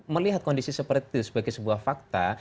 melihat kondisi seperti itu sebagai sebuah fakta